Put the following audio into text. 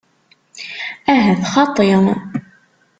Ahat xaṭi.